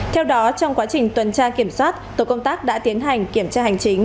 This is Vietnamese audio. theo đó trong quá trình tuần tra kiểm soát tổ công tác đã tiến hành kiểm tra hành chính